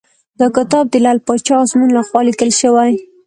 دا کتاب د لعل پاچا ازمون لخوا لیکل شوی .